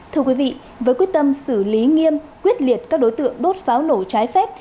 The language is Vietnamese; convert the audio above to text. thưa quý vị với quyết tâm xử lý nghiêm quyết liệt các đối tượng đốt pháo nổ trái phép